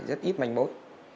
rất ít manh mối